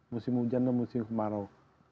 musim hujan dan musim kemarau